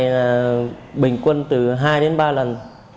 mình bình quân từ hai đến ba lần